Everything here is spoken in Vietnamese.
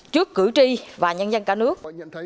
trước cử tri và nhân dân cả nước